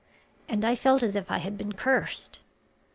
and I felt as if I had been cursed."